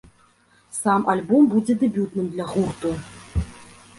Сам альбом будзе дэбютным для гурту.